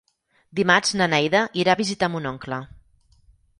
Dimarts na Neida irà a visitar mon oncle.